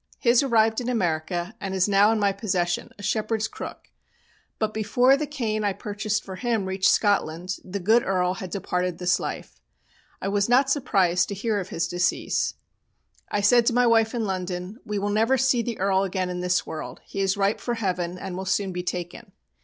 His arrived in America, and is now in my possession, a shepherd's crook; but before the cane I purchased for him reached Scotland the good Earl had departed this life. I was not surprised to hear of his decease. I said to my wife in London, "We will never see the Earl again in this world. He is ripe for Heaven, and will soon be taken."